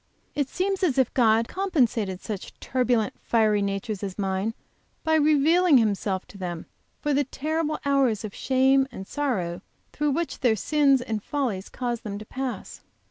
It seems as if God had compensated such turbulent, fiery natures as mine, by revealing Himself to them, for the terrible hours of shame and sorrow through which their sins and follies cause them to pass.